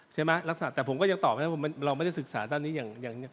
ใช่ไหมลักษณะแต่ผมก็ยังตอบไม่ได้เราไม่ได้ศึกษาตั้งนี้อย่างนี้